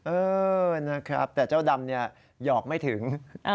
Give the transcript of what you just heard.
เออนะครับแต่เจ้าดำเนี่ยหยอกไม่ถึง